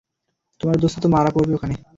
তোমার দোস্ত তো মারা পড়বে ওখানে।